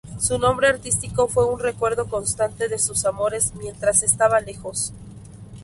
Su nombre artístico fue un recuerdo constante de sus amores mientras estaba lejos.